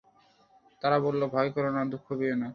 তারা বলল, ভয় করো না, দুঃখও করো না।